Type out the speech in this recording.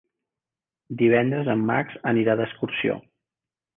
Divendres en Max anirà d'excursió.